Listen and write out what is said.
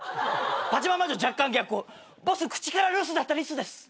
「パジャマ魔女若干逆光」「ボス口から留守だったリスです」